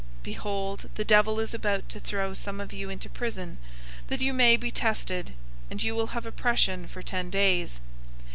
Behold, the devil is about to throw some of you into prison, that you may be tested; and you will have oppression for ten days.